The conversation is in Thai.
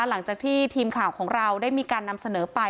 หลังจากที่ทีมข่าวของเราได้มีการนำเสนอไป